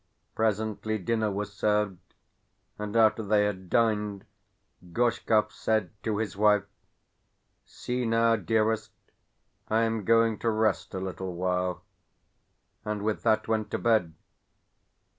Presently dinner was served, and after they had dined Gorshkov said to his wife: "See now, dearest, I am going to rest a little while;" and with that went to bed.